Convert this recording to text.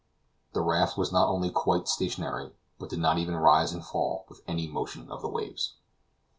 The raft was not only quite stationary, but did not even rise and fall with any motion of the waves.